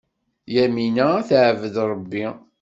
Yamina ad teɛbed Ṛebbi.